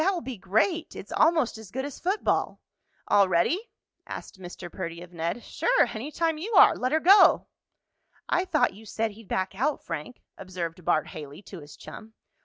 "That will be great! It's almost as good as football." "All ready?" asked Mr. Perdy of Ned. "Sure. Any time you are. Let her go!" "I thought you said he'd back out, Frank," observed Bart Haley to his chum.